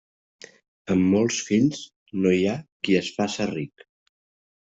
Amb molts fills no hi ha qui es faça ric.